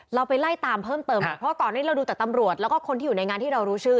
เราไปไล่ตามเพิ่มเติมเพราะก่อนนี้เราดูแต่ตำรวจแล้วก็คนที่อยู่ในงานที่เรารู้ชื่อ